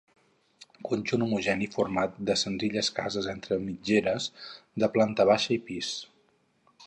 Conjunt homogeni format per senzilles cases entre mitgeres de planta baixa i pis.